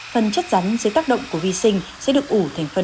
phần chất rắn dưới tác động của vi sinh